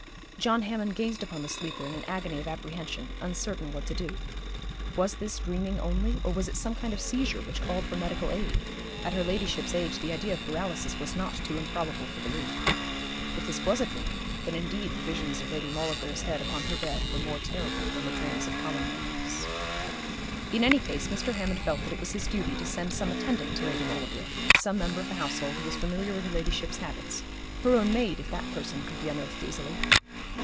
John Hammond gazed upon the sleeper in an agony of apprehension, uncertain what to do. Was this dreaming only; or was it some kind of seizure which called for medical aid? At her ladyship's age the idea of paralysis was not too improbable for belief. If this was a dream, then indeed the visions of Lady Maulevrier's head upon her bed were more terrible than the dreams of common mortals. In any case Mr. Hammond felt that it was his duty to send some attendant to Lady Maulevrier, some member of the household who was familiar with her ladyship's habits, her own maid if that person could be unearthed easily.